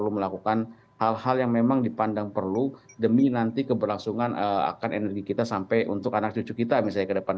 melakukan hal hal yang memang dipandang perlu demi nanti keberlangsungan akan energi kita sampai untuk anak cucu kita misalnya ke depan